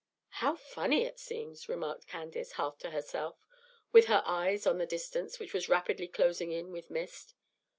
"How funny it seems!" remarked Candace, half to herself, with her eyes on the distance, which was rapidly closing in with mist.